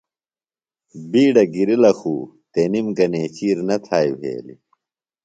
بِیڈہ گِرلہ خُو تِنم گہ نیچِیر نہ تھایئ بھیلیۡ۔